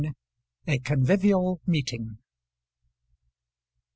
A CONVIVIAL MEETING.